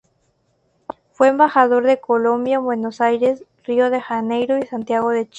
Fue embajador de Colombia en Buenos Aires, Río de Janeiro y Santiago de Chile.